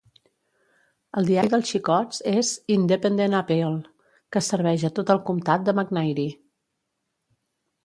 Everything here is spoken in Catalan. El diari dels xicots és "Independent Appeal" que es serveix a tot el comtat de McNairy.